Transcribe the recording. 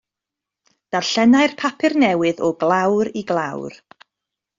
Darllenai'r papur newydd o glawr i glawr.